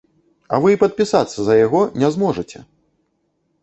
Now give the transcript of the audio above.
А вы і падпісацца за яго не зможаце!